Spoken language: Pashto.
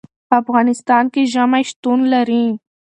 په افغانستان کې ژمی شتون لري.